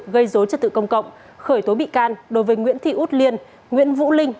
gây dối trật tự công cộng khởi tố bị can đối với nguyễn thị út liên nguyễn vũ linh